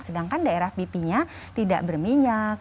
sedangkan daerah bp nya tidak berminyak